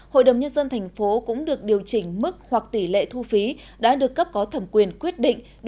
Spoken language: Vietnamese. hội đồng nhân dân thành phố cũng được điều chỉnh mức hoặc tỷ lệ thu phí đã được cấp có thẩm quyền quyết định